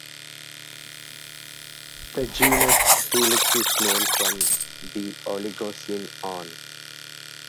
The genus "Helix" is known from the Oligocene on.